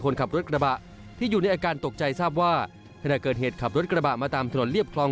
คนขับรถกระบะที่อยู่ในอาการตกใจทราบว่าขณะเกิดเหตุขับรถกระบะมาตามถนนเรียบคลอง